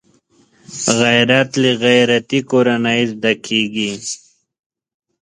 غیرت له غیرتي کورنۍ زده کېږي